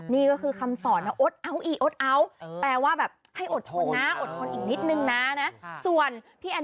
นี่ก็คือคำสอนโอ๊ดเอาอี้โอ๊ดเอา